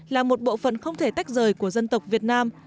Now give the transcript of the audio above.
là một bộ phận không thể tách rời của dân tộc việt nam